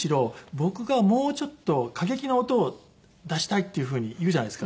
僕がもうちょっと過激な音を出したいっていうふうに言うじゃないですか。